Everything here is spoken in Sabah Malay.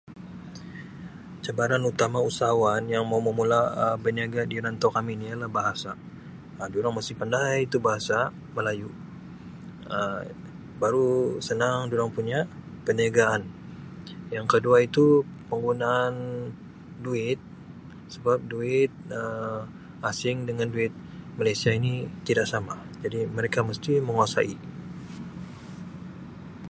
Cabaran utama usahawan yang mau memula Um berniaga di rantau kami ini ialah bahasa Um dorang mesti pandai itu bahasa melayu Um baru senang dorang punya perniagaan yang kedua itu penggunaan duit sebab duit Um asing dengan duit Malaysia ini tidak sama jadi mereka mesti menguasai.